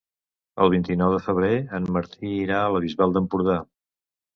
El vint-i-nou de febrer en Martí irà a la Bisbal d'Empordà.